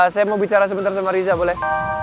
saya mau bicara sebentar sama riza boleh